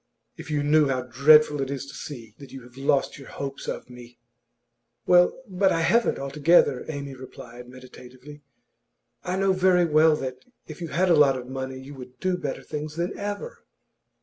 If you knew how dreadful it is to see that you have lost your hopes of me!' 'Well, but I haven't altogether,' Amy replied, meditatively. 'I know very well that, if you had a lot of money, you would do better things than ever.